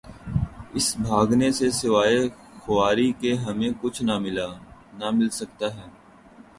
اس بھاگنے سے سوائے خواری کے ہمیں کچھ نہ ملا... نہ مل سکتاتھا۔